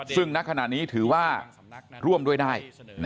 ซึ่งณขณะนี้ถือว่าร่วมด้วยได้